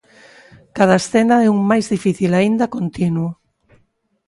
Cada escena é un máis difícil aínda continuo.